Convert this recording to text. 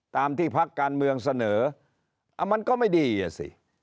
ตามที่พักการเมืองเสนอมันก็ไม่ดีอ่ะสิ